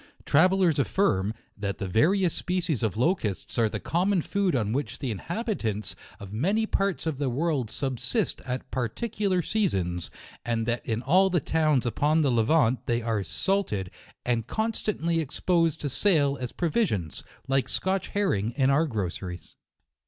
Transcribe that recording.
Travellers affirm, that the various species of locusts are the common food on which the inhabitants of many parts of the world subsist at particular seasons, and that in all the towns upon the Levant, they are salted, and constantly expo sed to sale as provisions, like Scotch herring in our groceries.